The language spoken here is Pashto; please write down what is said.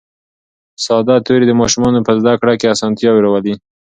ساده توري د ماشومانو په زده کړه کې اسانتیا راولي